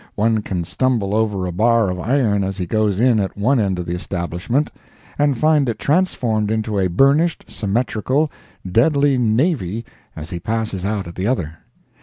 One can stumble over a bar of iron as he goes in at one end of the establishment, and find it transformed into a burnished, symmetrical, deadly "navy" as he passes out at the other.